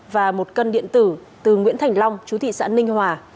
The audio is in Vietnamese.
và một cân điện tử từ nguyễn thành long chú thị xã ninh hòa